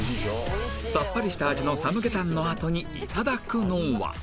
さっぱりした味のサムゲタンのあとに頂くのは